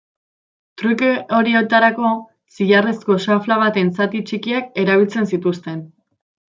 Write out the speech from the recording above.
Truke horietarako, zilarrezko xafla baten zati txikiak erabiltzen zituzten.